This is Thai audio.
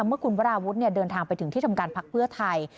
เมื่อคุณวราวุฒิเดินทางไปถึงที่ทำการพักเพื่อไทย